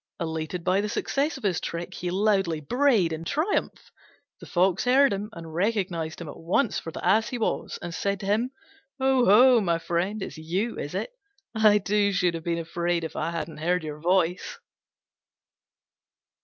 Elated by the success of his trick, he loudly brayed in triumph. The Fox heard him, and recognised him at once for the Ass he was, and said to him, "Oho, my friend, it's you, is it? I, too, should have been afraid if I hadn't heard your voice."